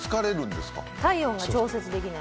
体温が調節できない？